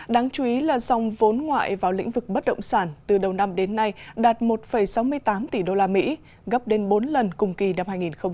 đáng chú ý là dòng vốn ngoại vào lĩnh vực bất động sản từ đầu năm đến nay đạt một sáu mươi tám tỷ usd gấp đến bốn lần cùng kỳ năm hai nghìn một mươi tám